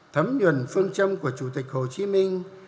thấm nhuần phương châm của chủ tịch hồ chí minh